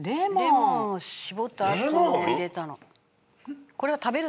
レモンを搾ったあとのを入れたの。